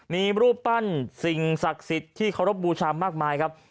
มีรูปปั้นสิ่งศักดิ์ศิษย์ที่ขอบบูชามมากมายครับ